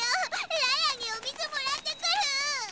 ララにおみずもらってくる。